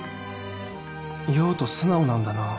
酔うと素直なんだな